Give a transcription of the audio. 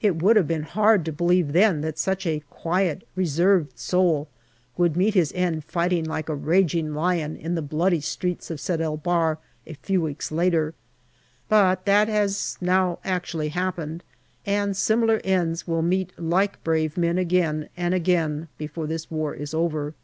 It would have been hard to believe then that such a quiet, reserved soul would meet his end fighting like a raging lion in the bloody streets of Sed el Bahr a few weeks later. But that has now actually happened, and similar ends will meet like brave men again and again before this war is over.